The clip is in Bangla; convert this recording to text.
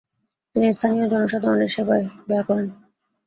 তিনি স্থানীয় জনসাধারণের সেবায় ব্যয় করেন।